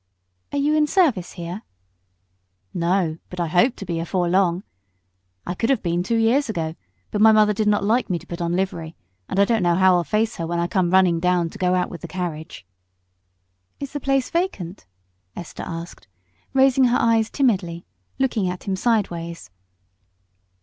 "Are you in service here?" "No, but I hope to be afore long. I could have been two years ago, but mother did not like me to put on livery, and I don't know how I'll face her when I come running down to go out with the carriage." "Is the place vacant?" Esther asked, raising her eyes timidly, looking at him sideways.